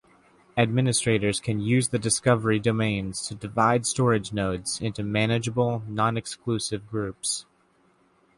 Administrators can use the discovery domains to divide storage nodes into manageable, non-exclusive groups.